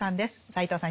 斎藤さん